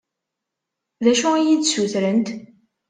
D acu i yi-d-ssutrent?